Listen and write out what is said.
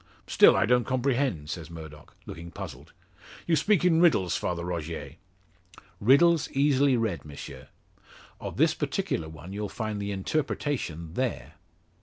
"Still I don't comprehend," says Murdock, looking puzzled. "You speak in riddles, Father Rogier." "Riddles easily read, M'sieu. Of this particular one you'll find the interpretation there."